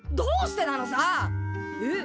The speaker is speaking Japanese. えっ？